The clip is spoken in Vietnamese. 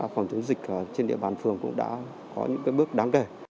phòng chống dịch trên địa bàn phường cũng đã có những bước đáng kể